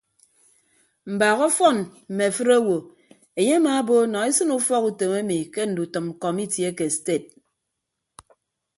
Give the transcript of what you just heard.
Mbaak ọfọn mme afịt owo enye amaabo nọ esịn ufọkutom emi ke ndutʌm kọmiti ake sted.